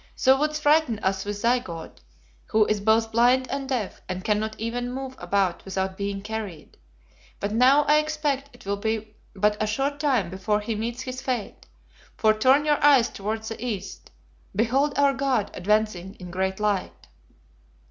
Thou wouldst frighten us with thy God, who is both blind and deaf, and cannot even move about without being carried; but now I expect it will be but a short time before he meets his fate: for turn your eyes towards the east, behold our God advancing in great light.'